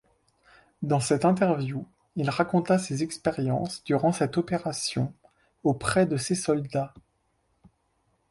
Dans cette interview, il raconta ses expériences durant cette opération, auprès de ses soldats.